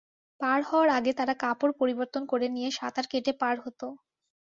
পার হওয়ার আগে তারা কাপড় পরিবর্তন করে নিয়ে সাঁতার কেটে পার হতো।